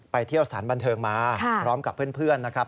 เที่ยวสถานบันเทิงมาพร้อมกับเพื่อนนะครับ